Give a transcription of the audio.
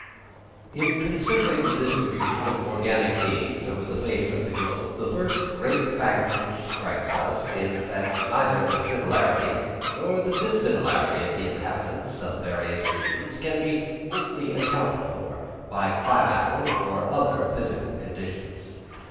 In considering the distribution of organic beings over the face of the globe, the first great fact which strikes us is, that neither the similarity nor the dissimilarity of the inhabitants of various regions can be wholly accounted for by climatal and other physical conditions.